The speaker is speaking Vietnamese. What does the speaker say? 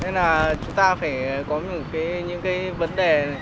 nên là chúng ta phải có những cái vấn đề